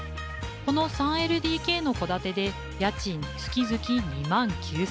この３ＬＤＫの戸建てで家賃月々２万９，０００円。